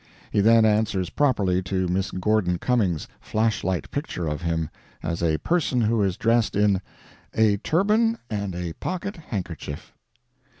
He then answers properly to Miss Gordon Cumming's flash light picture of him as a person who is dressed in "a turban and a pocket handkerchief."